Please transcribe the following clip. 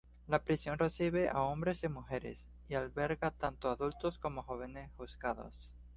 La prisión recibe a hombres y mujeres, y alberga tanto adultos como jóvenes juzgados.